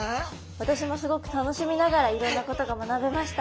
私もすごく楽しみながらいろんなことが学べました。